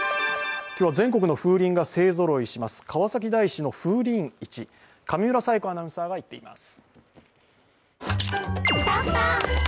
今日は、全国の風鈴が勢ぞろいします、川崎大師に風鈴市、上村彩子アナウンサーが行っています。